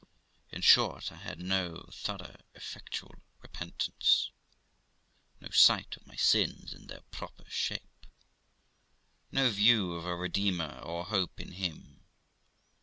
In short, I had no thorough effectual repentance, no sight of my sins in their proper shape, no view of a Redeemer, or hope in Him.